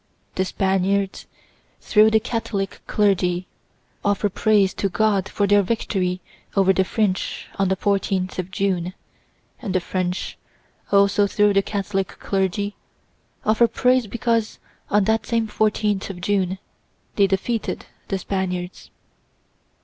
The Spaniards, through the Catholic clergy, offer praise to God for their victory over the French on the fourteenth of June, and the French, also through the Catholic clergy, offer praise because on that same fourteenth of June they defeated the Spaniards.